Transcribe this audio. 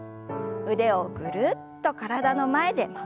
腕をぐるっと体の前で回しましょう。